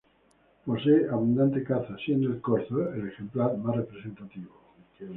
Posee abundante caza siendo el corzo el ejemplar más representativo.